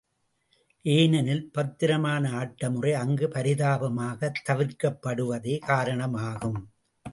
ஏனெனில், பத்திரமான ஆட்ட முறை அங்கு பரிதாபமாக தவிர்க்கப்படுவதே காரணமாகும்.